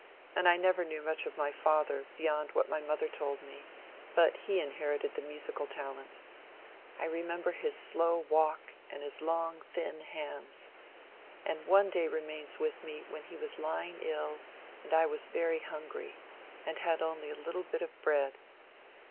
And I never knew much of my father, beyond what my mother told me; but he inherited the musical talents. I remember his slow walk and his long thin hands; and one day remains with me when he was lying ill, and I was very hungry, and had only a little bit of bread."